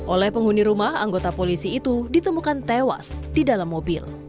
oleh penghuni rumah anggota polisi itu ditemukan tewas di dalam mobil